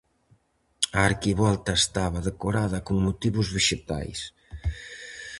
A arquivolta estaba decorada con motivos vexetais.